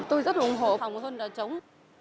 tôi rất ủng hộ phòng chống dịch bệnh